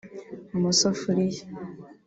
amasafuriya